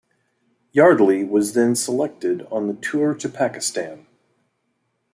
Yardley was then selected on the tour to Pakistan.